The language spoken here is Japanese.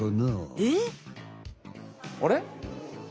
えっ？あれ？